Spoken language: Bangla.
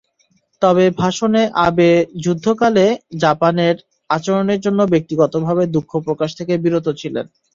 তবে ভাষণে আবে যুদ্ধকালে জাপানের আচরণের জন্য ব্যক্তিগতভাবে দুঃখ প্রকাশ থেকে বিরতি ছিলেন।